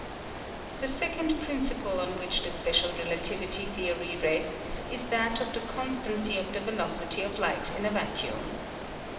The second principle on which the special relativity theory rests is that of the constancy of the velocity of light in a vacuum.